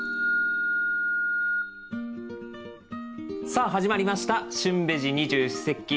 さあ始まりました「旬ベジ二十四節気」。